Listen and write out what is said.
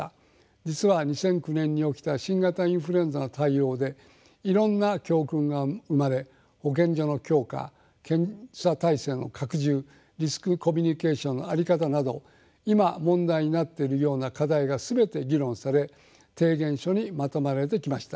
実は２００９年に起きた新型インフルエンザの対応でいろんな教訓が生まれ保健所の強化検査体制の拡充リスクコミュニケーションの在り方など今問題になっているような課題が全て議論され提言書にまとめられてきました。